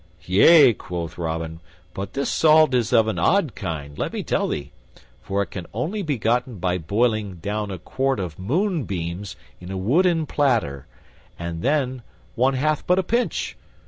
"Yea," quoth Robin, "but this salt is of an odd kind, let me tell thee, for it can only be gotten by boiling down a quart of moonbeams in a wooden platter, and then one hath but a pinch.